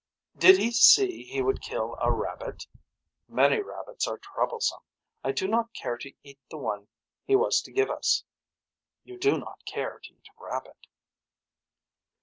Did he see he would kill a rabbit. Many rabbits are troublesome. I do not care to eat the one he was to give us. You do not care to eat rabbit.